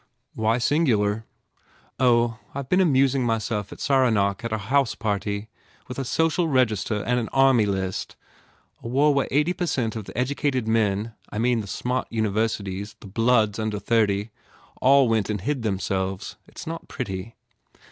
"Why singular?" "Oh, I ve been amusing myself at Saranac at 1 60 GURDY a house party, with a social register and an army list. A war where eighty per cent, of the edu cated men I mean the smart universities the bloods under thirty all went and hid themselves. It s not pretty."